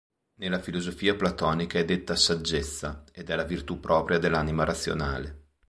Nella filosofia platonica è detta "saggezza", ed è la virtù propria dell'anima razionale.